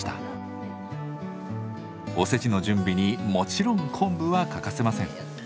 おせちの準備にもちろん昆布は欠かせません。